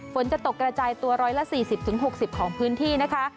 ฝนจะตกกระจายตัว๑๔๐๖๐ของพื้นที่นะคะ